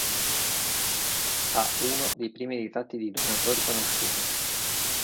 Ha uno dei primi ritratti di donatori conosciuti.